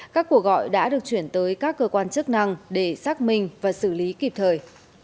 các cuộc gọi đã được chuyển tới các cơ quan chức năng để xác minh và xử lý kịp thời